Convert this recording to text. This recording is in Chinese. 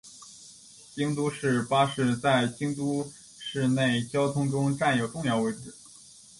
京都市巴士在京都市内交通中占有重要位置。